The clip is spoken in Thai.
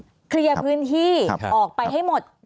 ได้ทั้งอักษาเมตตัวเลี้ยงเต็มที่ออกไปให้หมด